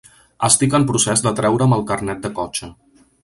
Estic en procés de treure'm el carnet de cotxe.